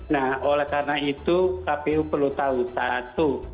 nah oleh karena itu kpu perlu tahu satu